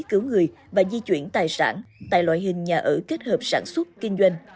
cứu người và di chuyển tài sản tại loại hình nhà ở kết hợp sản xuất kinh doanh